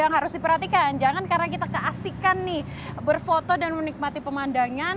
yang harus diperhatikan jangan karena kita keasikan nih berfoto dan menikmati pemandangan